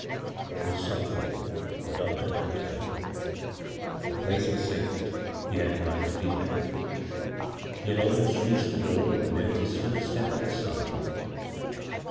Very softly the doctor turned to go. The place was sacred — he had no right to be there. He had almost reached the door when there was a swift step at his side.